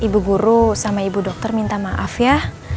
ibu guru sama ibu dokter minta maaf ya